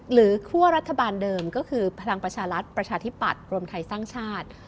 คั่วรัฐบาลเดิมก็คือพลังประชารัฐประชาธิปัตย์รวมไทยสร้างชาติ